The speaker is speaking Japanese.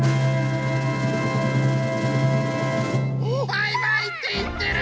バイバイっていってる！